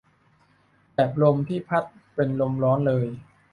แบบลมที่พัดเป็นลมร้อนเลย